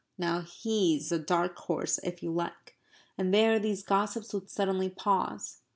Now HE'S a dark horse if you like. And there these gossips would suddenly pause.